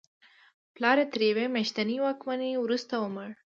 پلار یې تر یوې میاشتنۍ واکمنۍ وروسته ومړ.